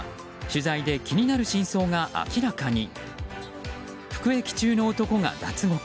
取材で気になる真相が明らかに。